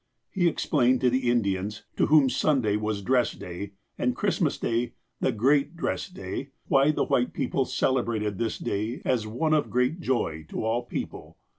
He explained to the Indians, to whom Sunday was ''dress day," and Christmas Day "the great dress day," why the white people celebrated this day as one of " great joy to all people."